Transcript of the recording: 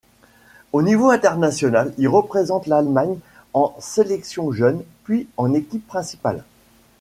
Au niveau international, il représente l'Allemagne en sélection jeune puis en équipe principale.